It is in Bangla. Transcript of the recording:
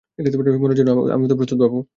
মরার জন্য তো আমিও প্রস্তত, বাবু।